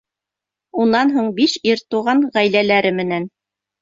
Унан һуң биш ир туған ғаиләләре менән.